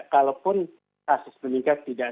kalaupun kasus meningkat tidak